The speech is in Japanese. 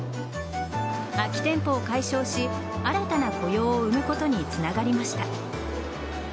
空き店舗を解消し新たな雇用を生むことにつながりました。